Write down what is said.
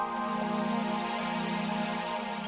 suara tak daftarlah sekarang